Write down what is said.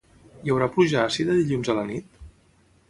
Hi haurà pluja àcida dilluns a la nit?